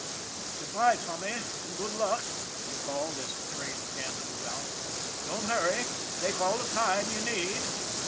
" Good by, Tommy; and good luck," he called, as the train began to move out. " Don't hurry, take all the time you need."